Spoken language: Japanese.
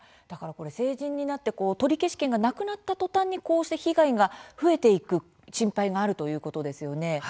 だから成人になって取り消し権がなくなったとたんにこうして被害が増えていく心配があるということですね。